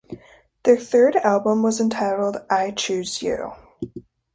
Their third album was entitled "I Choose You".